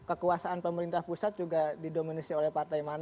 lalu kekuasaan pemerintah pusat juga didominisi oleh pemerintah pusat